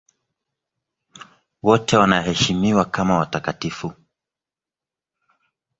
Wote wanaheshimiwa kama watakatifu.